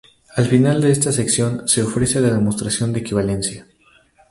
Al final de esta sección se ofrece la demostración de equivalencia.